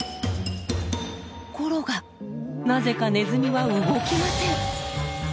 ところがなぜかネズミは動きません。